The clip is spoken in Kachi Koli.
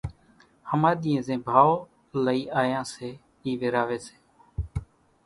ۿماۮِيئين زين ڀائو لئي آيان سي اِي ويراوي سي،